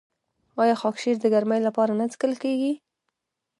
آیا خاکشیر د ګرمۍ لپاره نه څښل کیږي؟